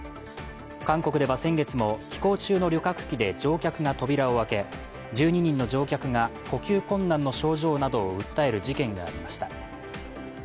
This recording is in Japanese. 韓国では先月も飛行中の旅客機で乗客が扉を開け１２人の乗客が呼吸困難などの症状を訴える事件がありました。